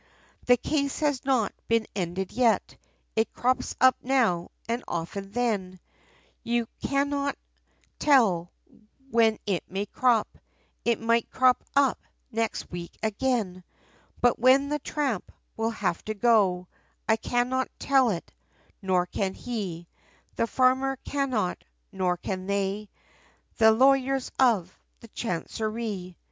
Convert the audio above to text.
The case, has not been ended yet, It crops up now, and often then, You cannot tell, when it may crop, It might crop up, next week again, But when that tramp, will have to go, I cannot tell it, nor can he, The farmer cannot, nor can they; The lawyers of the Chancerie.